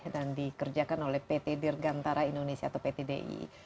dan dikerjakan oleh pt dirgantara indonesia atau pt di